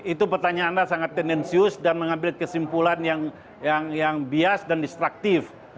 itu pertanyaan anda sangat tendensius dan mengambil kesimpulan yang bias dan destruktif